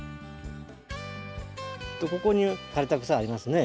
ここに枯れた草ありますね。